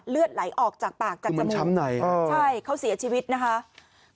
เลือดไหลออกจากปากจากจมูกใช่เขาเสียชีวิตนะครับที่เหมือนช้ำไหนค่ะ